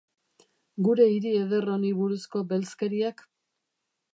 Gure hiri eder honi buruzko belzkeriak?